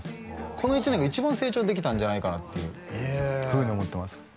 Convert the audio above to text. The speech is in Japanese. この１年が一番成長できたんじゃないかなっていうふうに思ってます